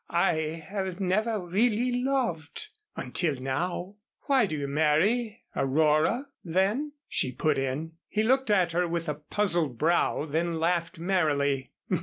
I have never really loved until now." "Why do you marry Aurora then?" she put in. He looked at her with a puzzled brow, then laughed merrily.